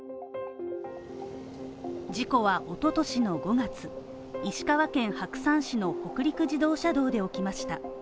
事故は一昨年の５月、石川県白山市の北陸自動車道で起きました。